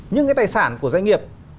những cái tài sản của doanh nghiệp